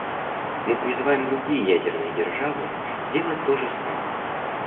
Мы призываем другие ядерные державы сделать то же самое.